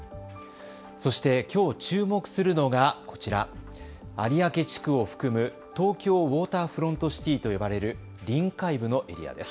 そして、きょう注目するのがこちら、有明地区を含むトーキョーウォーターフロントシティと呼ばれる臨海部のエリアです。